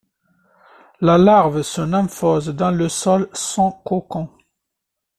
La larve se nymphose dans le sol, sans cocon.